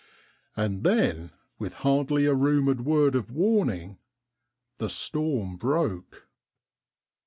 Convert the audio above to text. And then, with hardly a rumoured word of warning, the storm broke.